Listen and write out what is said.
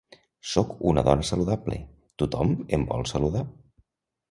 Sóc una dona saludable: tothom em vol saludar.